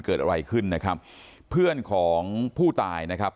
เกิดอะไรขึ้นนะครับเพื่อนของผู้ตายนะครับ